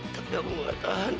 tapi aku gak tahan